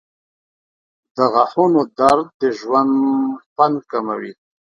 • د غاښونو درد د ژوند خوند کموي.